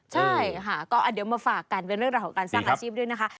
ใช่ค่ะก็เดี๋ยวมาฝากกันเป็นเรื่องราวของการสร้างอาชีพด้วยนะคะ